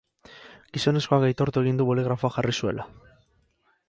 Gizonezkoak aitortu egin du boligrafoa jarri zuela.